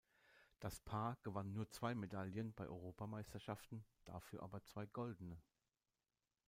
Das Paar gewann nur zwei Medaillen bei Europameisterschaften, dafür aber zwei goldene.